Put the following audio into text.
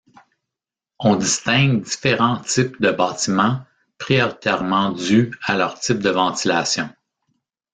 On distingue différents types de bâtiments prioritairement dus à leurs types de ventilation.